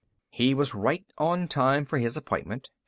He was right on time for his appointment.